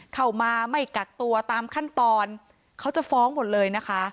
เข้ามาไม่กักตัวตามขั้นตอนเขาจะฟ้องหมดเลยนะคะ